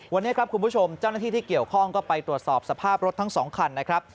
วันนี้ครับคุณผู้ชมเจ้าหน้าที่ที่เกี่ยวข้องก็ไปตรวจสอบสภาพรถทั้ง๒คันนะครับ